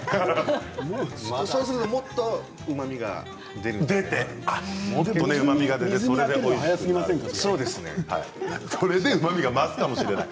そうするともっとそれでうまみが増すかもしれない。